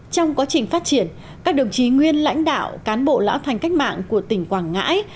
trong quá trình phát triển các đồng chí nguyên lãnh đạo cán bộ lão thành cách mạng của tỉnh quảng ngãi